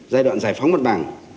giai đoạn giải phóng mặt bằng